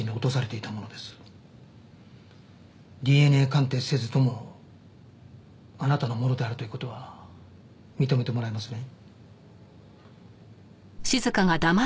ＤＮＡ鑑定せずともあなたのものであるという事は認めてもらえますね？